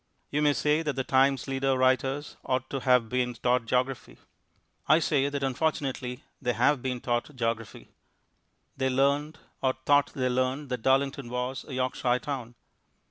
You may say that The Times leader writers ought to have been taught geography; I say that unfortunately they have been taught geography. They learnt, or thought they learnt, that Darlington was a Yorkshire town.